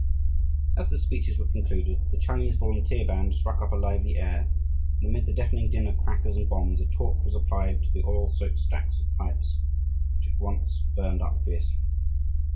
As the speeches were concluded, the Chinese Volunteer Band struck up a lively air and amid the deafening din of crackers and bombs a torch was applied to the oil soaked stacks of pipes which at once burned up fiercely.